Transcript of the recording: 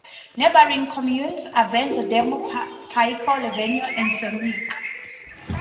Neighbouring communes are Berzo Demo, Paisco Loveno and Sonico.